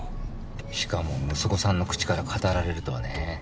しかも息子さんの口から語られるとはね。